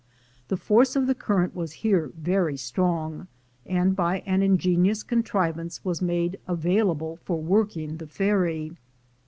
The force of the current was here very strong, and by an ingenious contrivance was made available for working the ferry.